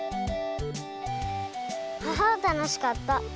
あたのしかった！